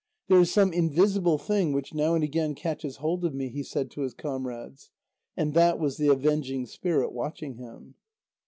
"There is some invisible thing which now and again catches hold of me," he said to his comrades. And that was the avenging spirit, watching him.